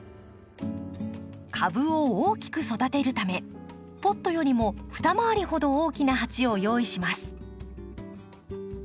株を大きく育てるためポットよりも二回りほど大きな鉢を用意します。